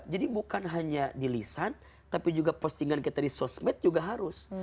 jadi bukan hanya di lisan tapi juga postingan kita di sosmed juga harus